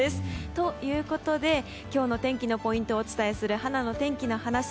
ということで今日の天気のポイントをお伝えするはなの天気のはなし。